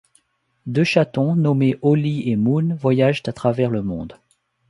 Deux chatons nommés Ollie et Moon voyagent à travers le monde.